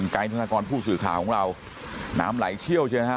ธนากรผู้สื่อข่าวของเราน้ำไหลเชี่ยวใช่ไหมฮะ